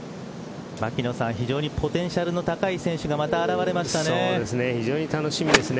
牧野さん、非常にポテンシャルの高い選手が現れましたね。